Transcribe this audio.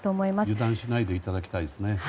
油断しないでいただきたいですね。